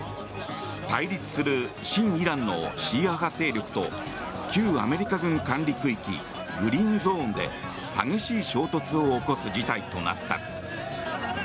対立する親イランのシーア派勢力と旧アメリカ軍管理区域・グリーンゾーンで激しい衝突を起こす事態となった。